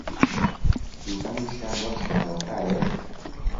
دووهەمیشیان وەک شانۆکارێک